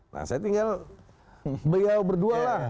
nah saya tinggal berdualah